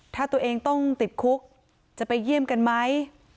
ถ้าตัวเองต้องติดคุกจะไปเยี่ยมกันไหม